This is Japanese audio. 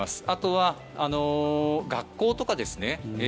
あとは学校とかですね。